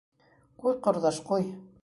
— Ҡуй, ҡорҙаш, ҡуй.